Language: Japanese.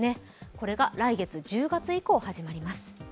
これが来月１０月以降、始まります。